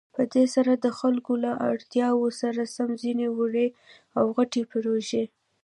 په دې سره د خلكو له اړتياوو سره سم ځينې وړې او غټې پروژې